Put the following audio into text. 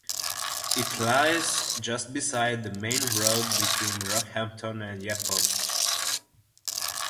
It lies just beside the main road between Rockhampton and Yeppoon.